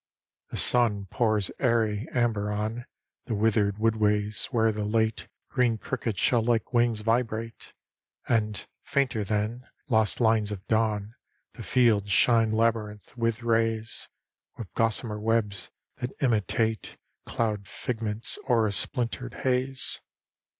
The sun pours airy amber on The withered wood ways, where the late Green crickets' shell like wings vibrate: And, fainter than lost lines of dawn, The fields shine labyrinthed with rays, With gossamer webs, that imitate Cloud figments, or a splintered haze.